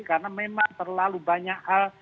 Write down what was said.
karena memang terlalu banyak hal